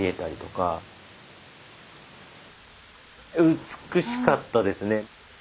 美しかったですね。